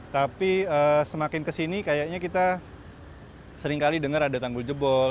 tapi semakin kesini kayaknya kita seringkali dengar ada tanggul jebol